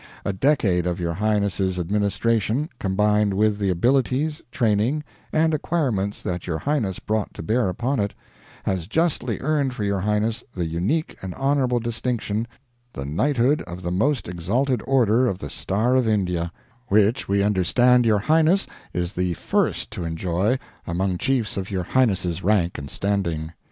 A decade of your Highness's administration, combined with the abilities, training, and acquirements that your Highness brought to bear upon it, has justly earned for your Highness the unique and honourable distinction the Knighthood of the Most Exalted Order of the Star of India, which we understand your Highness is the first to enjoy among Chiefs of your Highness's rank and standing.